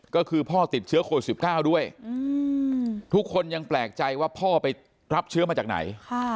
ก็คือพ่อติดเชื้อโควิด๑๙ด้วยทุกคนยังแปลกใจว่าพ่อไปรับเชื้อมาจากไหน